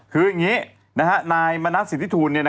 คืออย่างนี้นายมณัฐสิทธิทูล